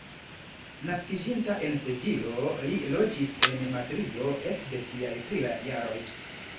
Naskiĝinta en Sevilo, li loĝis en Madrido ekde siaj tri jaroj.